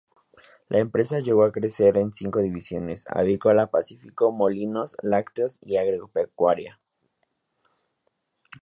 La empresa llegó a crecer en cinco divisiones: Avícola, Pacífico, Molinos, Lácteos y Agropecuaria.